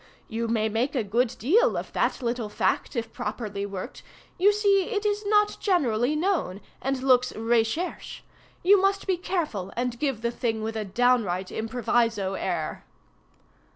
You may make a good deal of that little fact if properly worked. You see it is not generally known, and looks recherché. You must be careful and give the thing with a downright improviso air.